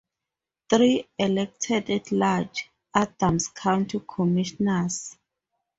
Three, elected at large, Adams County Commissioners.